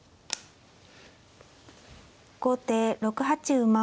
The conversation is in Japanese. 後手６八馬。